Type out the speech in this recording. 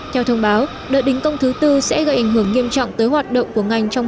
theo thông báo đợt đình công thứ tư sẽ gây ảnh hưởng nghiêm trọng tới hoạt động của ngành trong